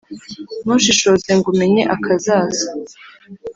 ntushishoze ngo umenye akazaza.